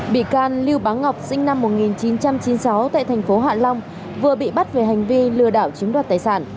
bị can lưu báo ngọc sinh năm một nghìn chín trăm chín mươi sáu tại thành phố hạ long vừa bị bắt về hành vi lừa đảo chiếm đoạt tài sản